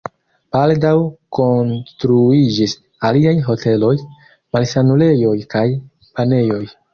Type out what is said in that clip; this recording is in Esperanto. Baldaŭ konstruiĝis aliaj hoteloj, malsanulejoj kaj banejoj.